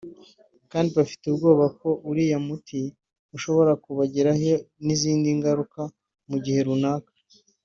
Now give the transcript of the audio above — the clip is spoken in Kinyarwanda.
kandi bafite ubwoba ko uriya muti ushobora kubagiraho n’izindi ngaruka mu gihe runaka